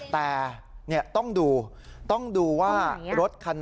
แต่ต้องดูต้องดูว่ารถคันนั้น